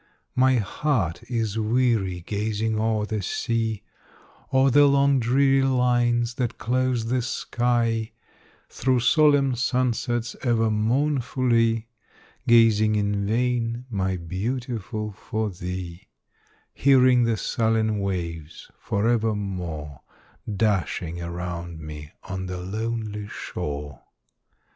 My heart is weary gazing o'er the sea; O'er the long dreary lines that close the sky; Through solemn sun sets ever mournfully, Gazing in vain, my Beautiful, for thee; Hearing the sullen waves for evermore Dashing around me on the lonely shore.